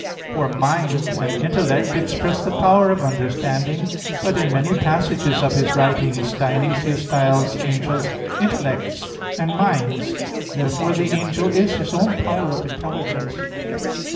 For, "mind" and "intellect" express the power of understanding. But in many passages of his writings, Dionysius styles angels "intellects" and "minds." Therefore the angel is his own power of intelligence.